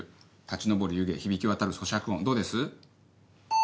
立ち上る湯気響き渡る咀嚼音どうです？